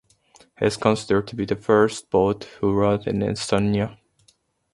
He is considered to be the first poet who wrote in Estonian.